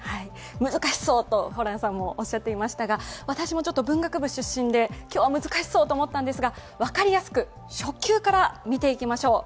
難しそうとホランさんもおっしゃっていましたが、私も文学部出身で今日は難しそうだと思ったんですが分かりやすく初級から見ていきましょう。